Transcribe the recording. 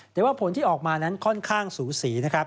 แต่ว่าผลที่ออกมานั้นค่อนข้างสูสีนะครับ